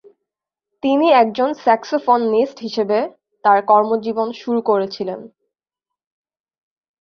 তিনি একজন স্যাক্সোফোননিস্ট হিসাবে তাঁর কর্মজীবন শুরু করেছিলেন।